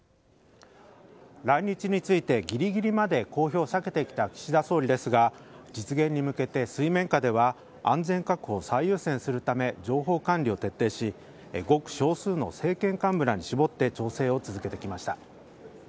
来日についてぎりぎりまで公表を避けてきた岸田総理ですが実現に向けて水面下では安全確保を最優先するため情報管理を徹底しごく少数の政権幹部らに絞って調整を続けてきました。